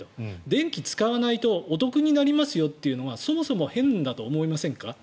電気使わないとお得になりますよというのはそもそも変だと思いませんか？